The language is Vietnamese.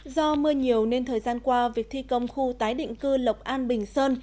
do mưa nhiều nên thời gian qua việc thi công khu tái định cư lộc an bình sơn